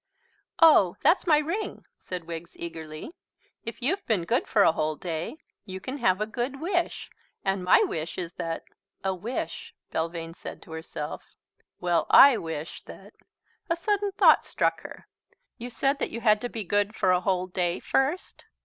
"Oh, that's my ring," said Wiggs eagerly. "If you've been good for a whole day you can have a good wish. And my wish is that " "A wish!" said Belvane to herself. "Well, I wish that " A sudden thought struck her. "You said that you had to be good for a whole day first?"